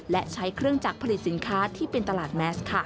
และใช้เครื่องจักรผลิตสินค้าที่เป็นตลาดแมส